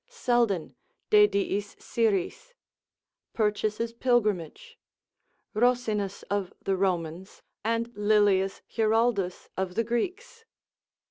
Selden de diis Syris, Purchas' pilgrimage, Rosinus of the Romans, and Lilius Giraldus of the Greeks.